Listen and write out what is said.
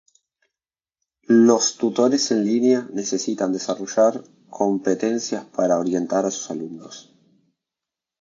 Los tutores en línea necesitan desarrollar competencias para orientar a sus alumnos.